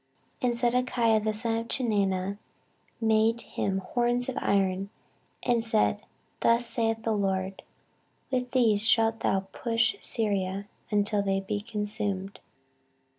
14:018:010 And Zedekiah the son of Chenaanah had made him horns of iron, and said, Thus saith the LORD, With these thou shalt push Syria until they be consumed.